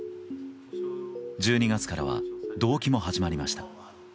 １２月からは動悸も始まりました。